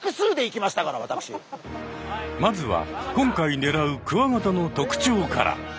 まずは今回ねらうクワガタの特徴から。